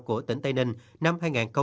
của tỉnh tây ninh năm hai nghìn hai mươi